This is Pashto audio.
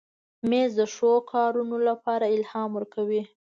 مېز د ښو کارونو لپاره الهام ورکوي.